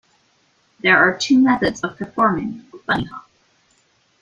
There are two methods of performing a bunnyhop.